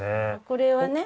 これはね